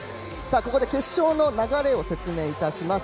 ここで決勝の流れを説明いたします。